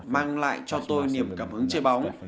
mang lại cho tôi niềm cảm hứng chơi bóng